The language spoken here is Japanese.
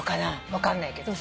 分かんないけど。